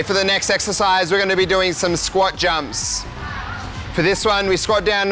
ท่านี้นอกจากจะเป็นท่าฮิตในการลดกล้ามเนื้อขาแล้ว